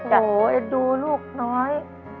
โถเอ็ดดูลูกน้อย